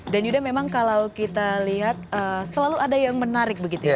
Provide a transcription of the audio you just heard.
dan juga memang kalau kita lihat selalu ada yang menarik begitu ya